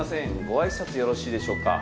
ご挨拶よろしいでしょうか？